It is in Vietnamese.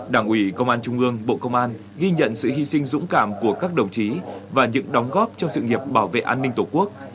đảng ủy công an trung ương bộ công an ghi nhận sự hy sinh dũng cảm của các đồng chí và những đóng góp cho sự nghiệp bảo vệ an ninh tổ quốc